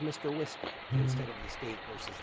Air. Whiskey, instead of The State vs.